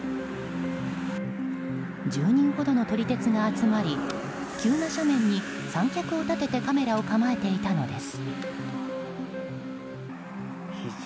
１０人ほどの撮り鉄が集まり急な斜面に三脚を立ててカメラを構えていたのです。